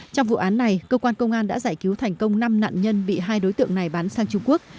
trong vụ án này cơ quan công an đã giải cứu thành công năm nạn nhân bị hai đối tượng này bán sang trung quốc